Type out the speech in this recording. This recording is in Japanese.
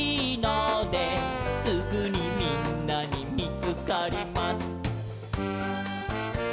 「すぐにみんなにみつかります」